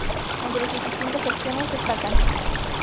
Entre sus distintas secciones destacan,